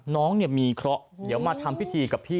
น้องมีเคราะห์เดี๋ยวมาทำพิธีกับพี่